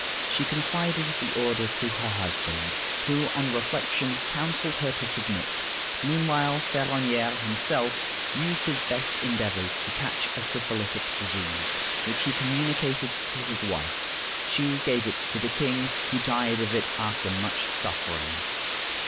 She confided the order to her husband, who, on reflection, counseled her to submit. Meanwhile Ferronnière himself used his best endeavors to catch a syphilitic disease, which he communicated to his wife. She gave it to the king, who died of it after much suffering.